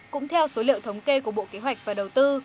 cũng theo số liệu thống kê của bộ kế hoạch và đồng chí